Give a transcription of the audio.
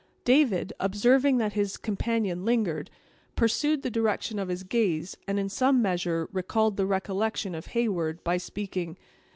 David, observing that his companion lingered, pursued the direction of his gaze, and in some measure recalled the recollection of Heyward, by speaking.